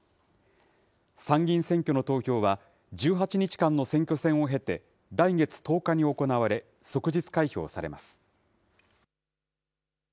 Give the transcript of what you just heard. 参議院選挙の投票は、１８日間の選挙戦を経て、来月１０日に行われ、即日開票されます。